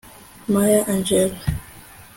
maya angelou